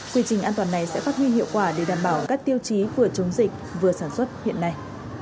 quy trình an toàn này sẽ phát huy hiệu quả để đảm bảo các tiêu chí vừa chống dịch vừa sản xuất hiện nay